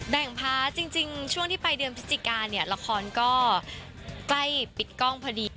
งพาร์ทจริงช่วงที่ไปเดือนพฤศจิกาเนี่ยละครก็ใกล้ปิดกล้องพอดี